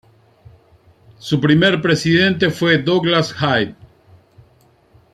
Su primer presidente fue Douglas Hyde.